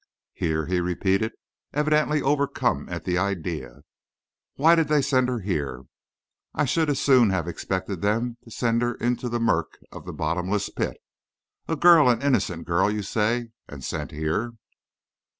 "Here?" he repeated, evidently overcome at the idea. "Why did they send her here? I should as soon have expected them to send her into the murk of the bottomless pit. A girl, an innocent girl, you say, and sent here?"